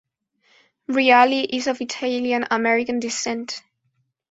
Reali is of Italian-American descent.